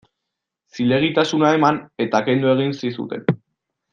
Zilegitasuna eman eta kendu egin zizuten.